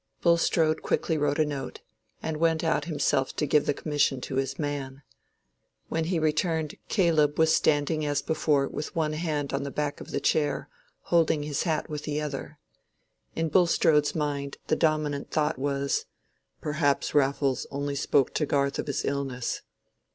Bulstrode quickly wrote a note, and went out himself to give the commission to his man. When he returned, Caleb was standing as before with one hand on the back of the chair, holding his hat with the other. In Bulstrode's mind the dominant thought was, "Perhaps Raffles only spoke to Garth of his illness.